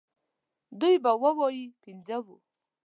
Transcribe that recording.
دوی به ووايي پنځه وو.